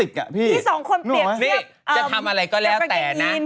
จะทำอะไรก็แล้วแต่นะ